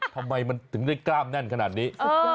ทำไมมันถึงได้กล้ามแน่นขนาดนี้